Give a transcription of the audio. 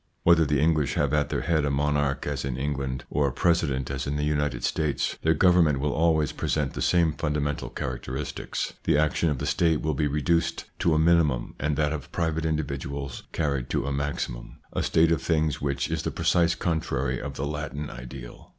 Whether the English have at their head a mom as in England, or a president as in the Unite ITS INFLUENCE ON THEIR EVOLUTION 135 their government will always present the same funda mental characteristics : the action of the State will be reduced to a minimum and that of private individuals carried to a maximum, a state of things which is the precise contrary of the Latin ideal.